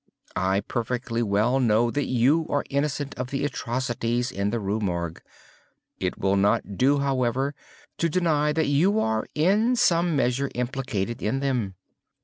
I perfectly well know that you are innocent of the atrocities in the Rue Morgue. It will not do, however, to deny that you are in some measure implicated in them.